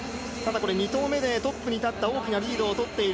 ２投目でトップに立った、大きなリードとっている。